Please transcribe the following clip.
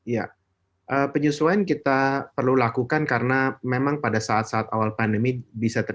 ya penyesuaian kita perlu lakukan karena memang pada saat saat awal pandemi bisa terjadi